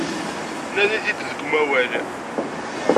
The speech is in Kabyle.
Nadi-t-id deg umawal.